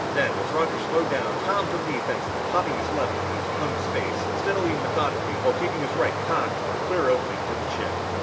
Then, as Roger slowed down, Tom took the offensive, popping his left into his opponent's face steadily and methodically, while keeping his right cocked for a clear opening to the chin.